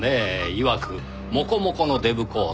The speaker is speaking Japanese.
いわくモコモコのデブコート。